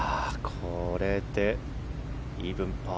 これでイーブンパー。